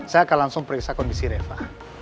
saya akan langsung periksa kondisi reva